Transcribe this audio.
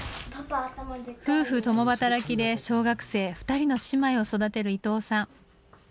夫婦共働きで小学生２人の姉妹を育てる伊藤さん。